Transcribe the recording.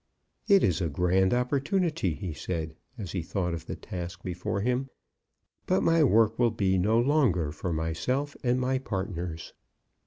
"It is a grand opportunity," he said, as he thought of the task before him, "but my work will be no longer for myself and partners.